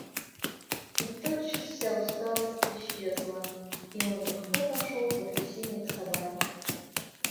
И тотчас вся усталость исчезла, и он легко пошел по трясине к собаке.